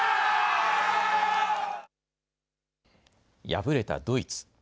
敗れたドイツ。